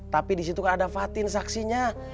tapi di situ kan ada fatin saksinya